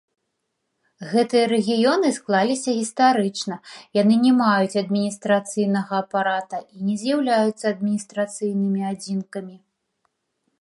Гэтыя рэгіёны склаліся гістарычна, яны не маюць адміністрацыйнага апарата і не з'яўляюцца адміністрацыйнымі адзінкамі.